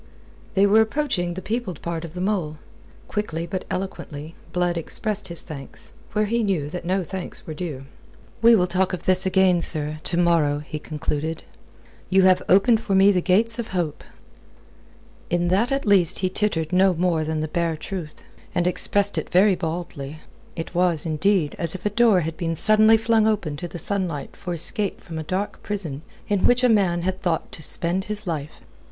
They were approaching the peopled part of the mole. Quickly, but eloquently, Blood expressed his thanks, where he knew that no thanks were due. "We will talk of this again, sir to morrow," he concluded. "You have opened for me the gates of hope." In that at least he tittered no more than the bare truth, and expressed it very baldly. It was, indeed, as if a door had been suddenly flung open to the sunlight for escape from a dark prison in which a man had thought to spend his life.